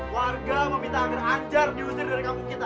warga meminta agar anjar diusir dari kampung kita